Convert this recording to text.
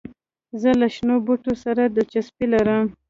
زه له شنو بوټو سره دلچسپي لرم.